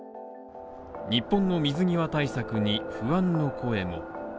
日本の水際対策に不安の声も。